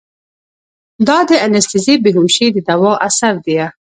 دا د انستيزي د بېهوشي د دوا اثر ديه.